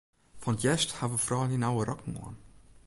Fan 't hjerst hawwe froulju nauwe rokken oan.